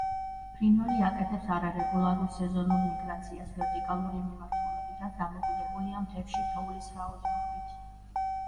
ფრინველი აკეთებს არარეგულარულ სეზონურ მიგრაციას ვერტიკალური მიმართულებით, რაც დამოკიდებულია მთებში თოვლის რაოდენობით.